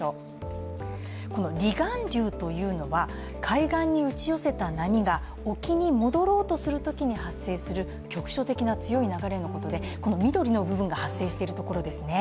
この離岸流というのは、海岸に打ち寄せた波が沖に戻ろうとするときに発生する局所的な強い流れのことでこの緑の部分が発生しているところですね。